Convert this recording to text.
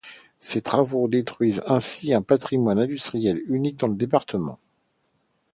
Ces travaux détruisent ainsi un patrimoine industriel unique dans le département.